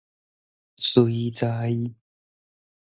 隨在